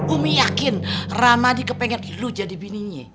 umi yakin rahmadi kepengen lu jadi bininya